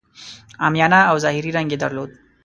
عامیانه او ظاهري رنګ یې درلود.